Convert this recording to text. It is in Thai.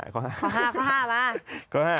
ข้อ๕ใช้เงินเย็น